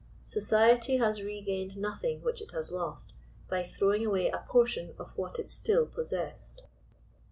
Society has regained nothing which it has lost, by throwing away a portion of what it still possessed.